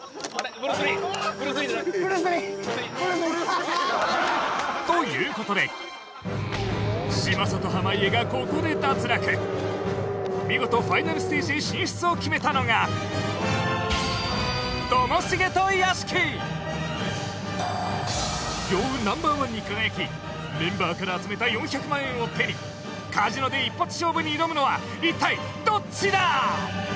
ブルース・リーブルース・リーブルース・リーブルース・リーということで嶋佐と濱家がここで脱落見事ファイナルステージへ進出を決めたのがともしげと屋敷強運Ｎｏ．１に輝きメンバーから集めた４００万円を手にカジノで一発勝負に挑むのは一体どっちだ？